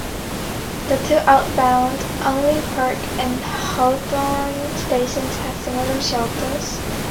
The two outbound Unley Park and Hawthorn stations had similar shelters.